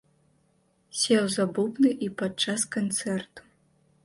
Сеў за бубны і падчас канцэрту.